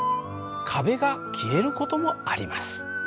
壁が消える事もあります。